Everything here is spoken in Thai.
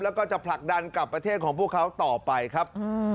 แล้วก็จะผลักดันกับประเทศของพวกเขาต่อไปครับ